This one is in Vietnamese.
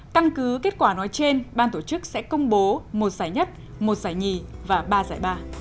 căn cứ kết quả nói trên ban tổ chức sẽ công bố một giải nhất một giải nhì và ba giải ba